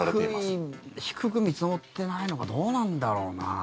本当、低い低く見積もってないのかどうなんだろうな。